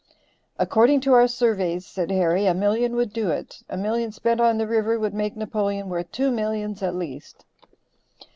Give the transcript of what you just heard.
"According to our surveys," said Harry, "a million would do it; a million spent on the river would make Napoleon worth two millions at least."